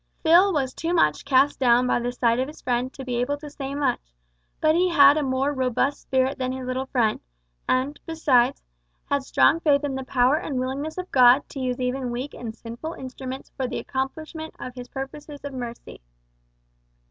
Phil was too much cast down by the sight of his friend to be able to say much, but he had a more robust spirit than his little friend, and besides, had strong faith in the power and willingness of God to use even weak and sinful instruments for the accomplishment of His purposes of mercy.